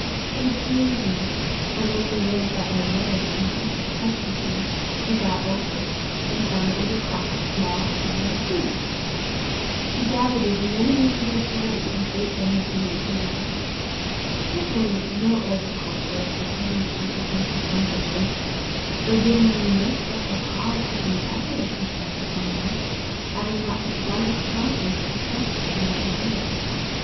They drew him; and as there was but a low and imperfect hedge between, he got over, and found it was a crop of small yellow turnips. He gathered as many as he could carry, and ate them as he went along. Happily no agricultural person encountered him for some distance, though Gibbie knew no special cause to congratulate himself upon that, having not the slightest conscience of offence in what he did.